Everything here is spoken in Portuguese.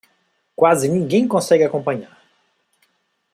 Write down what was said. Quase ninguém consegue acompanhar